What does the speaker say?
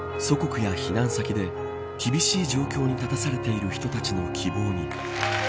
祖国や避難先で厳しい状況に立たされてる人たちの希望に。